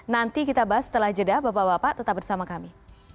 nanti kita bahas setelah jeda bapak bapak tetap bersama kami